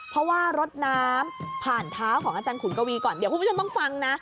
เพราะว่ารดน้ำผ่านเท้าของอาจารย์ขุนกวีก่อนเดี๋ยวคุณผู้ชมต้องฟังนะ